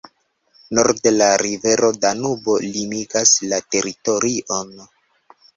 Norde la rivero Danubo limigas la teritorion.